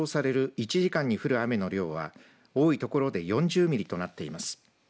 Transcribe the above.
１時間に降る雨の量は多いところで４０ミリとなっています。